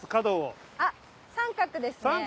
あっ三角ですね。